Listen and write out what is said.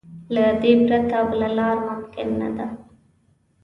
له دې پرته بله لار ممکن نه ده.